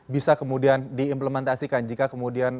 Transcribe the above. bisa kemudian diimplementasikan jika kemudian